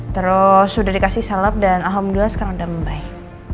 terus sudah dikasih salep dan alhamdulillah sekarang udah membaik